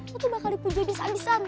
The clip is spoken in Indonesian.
lo tuh bakal dipuja di sana sana